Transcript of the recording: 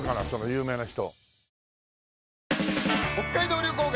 有名な人。